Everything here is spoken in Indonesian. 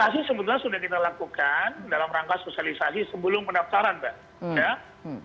sebelum pendaftaran pak